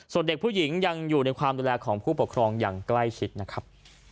ส่วนเด็กผู้หญิงยังอยู่ในความดูแลของผู้ปกครองอย่างใกล้ชิดนะครับ